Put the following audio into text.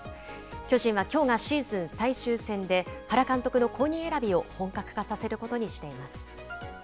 巨人はきょうがシーズン最終戦で、原監督の後任選びを本格化させることにしています。